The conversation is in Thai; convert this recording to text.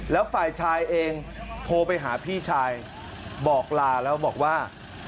แล้วฝ่ายชายเองโทรไปหาพี่ชายบอกลาแล้วบอกว่า